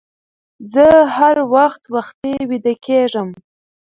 زه هر وخت وختي ويده کيږم